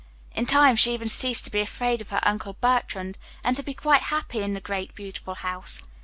In time she even ceased to be afraid of her Uncle Bertrand, and to be quite happy in the great beautiful house.